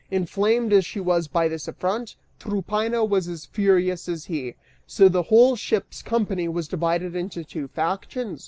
Inflamed as she was by this affront, Tryphaena was as furious as he, so the whole ship's company was divided into two factions.